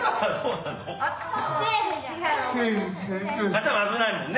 頭危ないもんね。